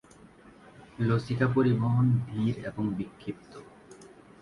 লসিকা পরিবহন ধীর এবং বিক্ষিপ্ত।